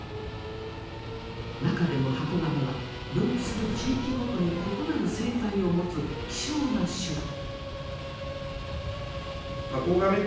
中でもハコガメは分布する地域ごとに異なる生態を持つ希少な種だ。